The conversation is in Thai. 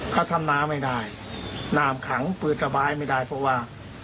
เขาทำนาไม่ได้น้ำขังปืนระบายไม่ได้เพราะว่า